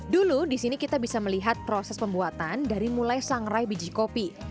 dulu di sini kita bisa melihat proses pembuatan dari mulai sangrai biji kopi